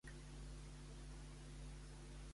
Qui era Anna Sugrañes Boix?